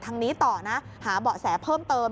ทางนี้ต่อนะหาเบาะแสเพิ่มเติม